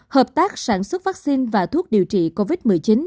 hợp tác sản xuất vaccine và thuốc điều trị covid một mươi chín